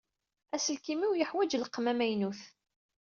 Aselkim-iw yeḥwaǧ lqem amaynut.